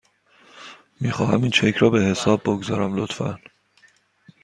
میخواهم این چک را به حساب بگذارم، لطفاً.